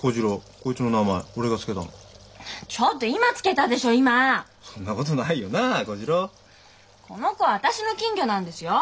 この子は私の金魚なんですよ。